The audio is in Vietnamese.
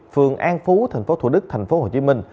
phường an phú tp thủ đức tp hcm